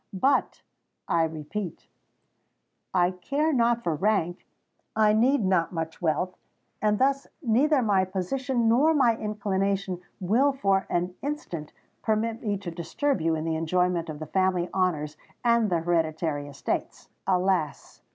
But, I repeat—I care not for rank—I need not much wealth; and thus neither my position nor my inclination will for an instant permit me to disturb you in the enjoyment of the family honours and the hereditary estates." "Alas!